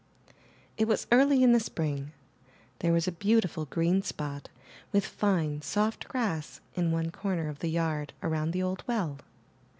It was early in the spring. There was a beau tiful green spot, with fine, soft grass in one corner of the yard around the old well.